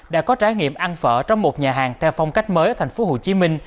đã có trải nghiệm ăn phở trong một nhà hàng theo phong cách mới ở tp hcm